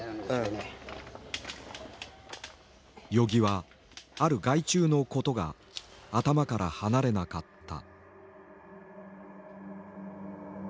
与儀はある害虫のことが頭から離れなかった。